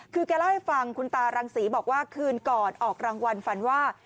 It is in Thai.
คือแกเล่าให้ฟังคุณตารังศรีบอกว่าคืนก่อนออกรางวัลฝันว่า